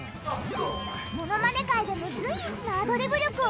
ものまね界でも随一のアドリブ力を持つ人。